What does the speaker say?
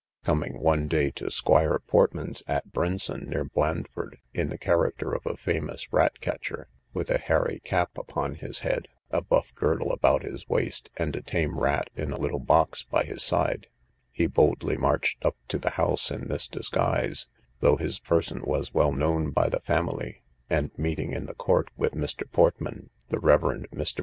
Coming one day to Squire Portman's, at Brinson, near Blandford, in the character of a famous rat catcher, with a hairy cap upon his head, a buff girdle about his waist, and a tame rat in a little box by his side, he boldly marched up to the house in this disguise, though his person was well known by the family, and meeting in the court with Mr. Portman, the Rev. Mr.